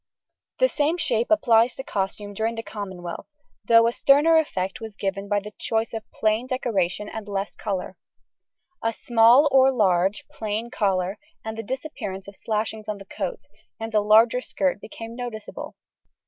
The same shapes apply to costume during the Commonwealth, though a sterner effect was given by the choice of plain decoration and less colour. A small or a large plain collar, and the disappearance of slashings on the coat, and a longer skirt became noticeable.